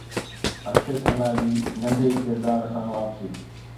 اڪشي کنا جي ننڍي ڪردار سان واپسي